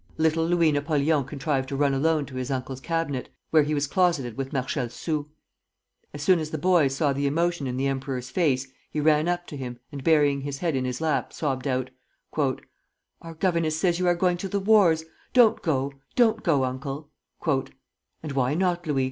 Little Louis Napoleon contrived to run alone to his uncle's cabinet, where he was closeted with Marshal Soult. As soon as the boy saw the emotion in the emperor's face, he ran up to him, and burying his head in his lap, sobbed out: "Our governess says you are going to the wars, don't go; don't go, Uncle." "And why not, Louis?